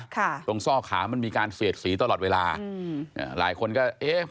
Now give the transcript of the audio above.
ตรงซ่อขามันมีการเสียดสีตลอดเวลาอืมอ่าหลายคนก็เอ๊ะ